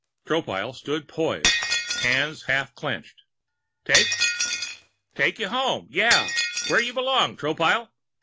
Tropile stood poised, hands half clenched. "Take " "Take you home. Yeah. Where you belong, Tropile.